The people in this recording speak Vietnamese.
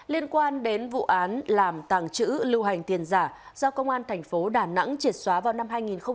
liên quan đến vụ án làm tàng trữ lưu hành tiền giả do công an thành phố đà nẵng triệt xóa vào năm hai nghìn một mươi ba